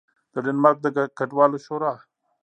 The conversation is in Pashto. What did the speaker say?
د ډنمارک د کډوالو شورا